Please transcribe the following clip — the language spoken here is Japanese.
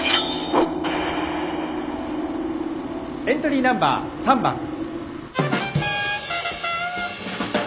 エントリーナンバー３番。